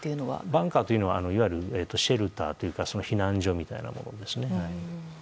バンカーというのはいわゆるシェルターというか避難所みたいなものですね。